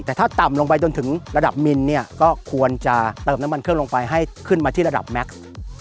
แต่ถ้าต่ำลงไปจนถึงระดับมินเนี่ยก็ควรจะเติมน้ำมันเครื่องลงไปให้ขึ้นมาที่ระดับแม็กซ์